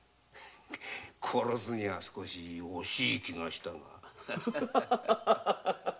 殺すには少し惜しい気がしたが。